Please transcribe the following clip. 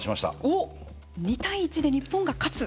おっ２対１で日本が勝つ？